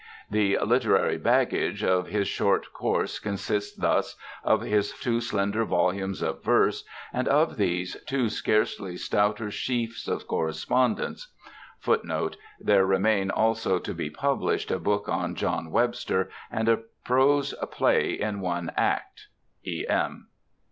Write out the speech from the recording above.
The "literary baggage" of his short course consists thus of his two slender volumes of verse and of these two scarcely stouter sheafs of correspondence [Footnote: There remain also to be published a book on John Webster, and a prose play in one act. E.M.